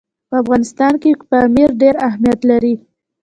په افغانستان کې پامیر ډېر اهمیت لري.